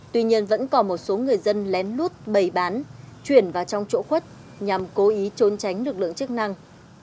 tuy nhiên vẫn còn một số người dân lén lút bày bán chuyển vào trong chỗ khuất nhằm cố ý trốn tránh lực lượng chức năng